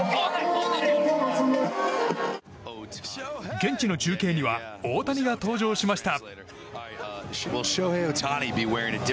現地の中継には大谷が登場しました。